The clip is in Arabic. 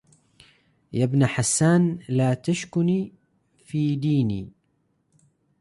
يا ابن حسان لا تشكن في دينى